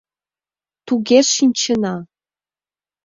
— Туге, шинчена.